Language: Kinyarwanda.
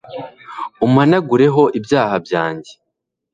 umpanagureho ibyaha byanjye